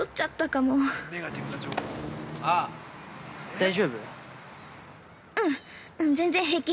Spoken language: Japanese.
◆大丈夫？